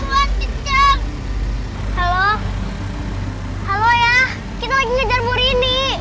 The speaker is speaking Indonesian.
halo ayah kita lagi ngejar burini